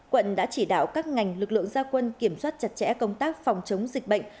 quận đã chỉ đạo các ngành lực lượng gia quân kiểm soát chặt chẽ công tác phòng chống dịch bệnh